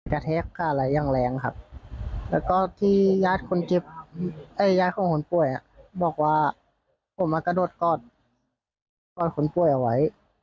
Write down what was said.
กระเทศกาลัยยังแรงครับแล้วก็ที่ย้ายของคนป่วยบอกว่าผมมากระโดดกล้อดคนป่วยเอาไว้